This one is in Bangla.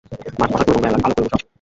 নাগ-মহাশয় পূর্ববঙ্গ আলো করে বসে আছেন।